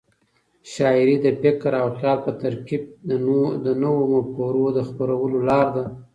شاعري د فکر او خیال په ترکیب د نوو مفکورو د خپرولو لار ده.